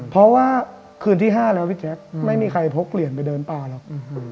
เพราะว่าคืนที่๕แล้วพี่แจ๊คไม่มีใครพกเหรียญไปเดินป่าหรอก